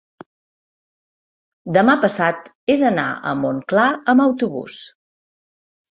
demà passat he d'anar a Montclar amb autobús.